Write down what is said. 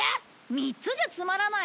３つじゃつまらない。